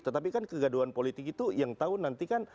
tetapi kan kegaduhan politik itu yang tahu nanti kan